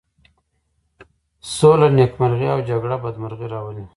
سوله نېکمرغي او جگړه بدمرغي راولي.